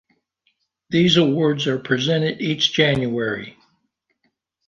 These awards are presented each January.